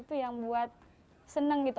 itu yang buat seneng gitu